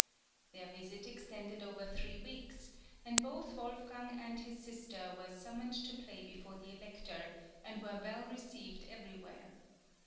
Their visit extended over three weeks, and both Wolfgang and his sister were summoned to play before the Elector, and were well received everywhere.